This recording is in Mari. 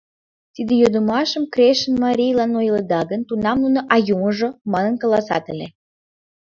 Тиде йодмашым Крешын марийлан ойледа гын, тунам нуно «а юмыжо?» манын каласат ыле.